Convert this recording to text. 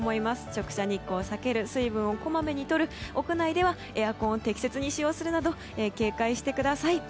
直射日光を避ける水分をこまめにとる屋内ではエアコンを適切に使用するなど警戒してください。